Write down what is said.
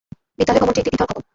বিদ্যালয়ে ভবনটি একটি দ্বিতল ভবন।